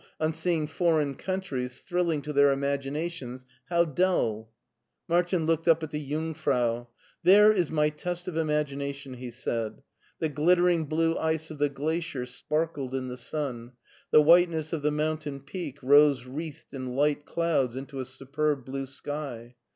' on seeing foreign countries, thrilling to their imaginations, ' Hew duH!'" Martin looked up at the Jungf rau. " There is my test of imagination," he said. The glittering blue ice of the glacier sparkled in the sun; the whiteness of the mountain peak rose wreathed in light clouds into a superb blue sky.